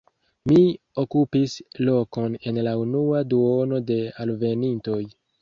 Mi okupis lokon en la unua duono de alvenintoj.